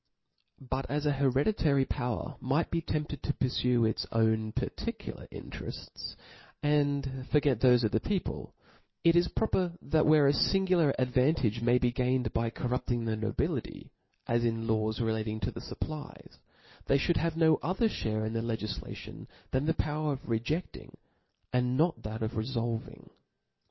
But as an hereditary power might be tempted to purfue its own particular interefts, and fofget thofc of the people ; it is proper that whefe a lingular ad vantage may be gained by corrupting the nobility, as in the laws relating to the fAppties, they IhouM have no other (hare in the legiflation, than the power of rejecking, and not that of refolving.